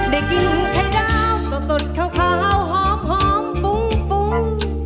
ได้กินไทยดาวตัวสดข้าวพร้าวหอมหอมฟุ้งฟุ้ง